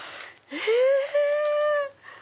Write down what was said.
え！